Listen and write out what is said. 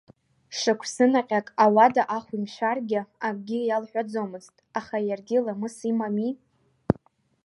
Шықәсынаҟьак ауада ахә имшәаргьы акгьы иалҳәаӡомызт, аха иаргьы ламыс имами.